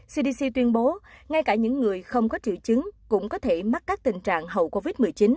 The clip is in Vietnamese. cdc tuyên bố ngay cả những người không có triệu chứng cũng có thể mắc các tình trạng hậu covid một mươi chín